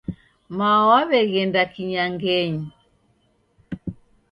Mao waweghenda kinyangenyi